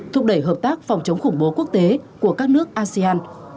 thúc đẩy hợp tác phòng chống khủng bố quốc tế của các nước asean